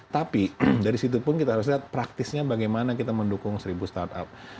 tapi dari situ pun kita harus lihat praktisnya bagaimana kita mendukung seribu startup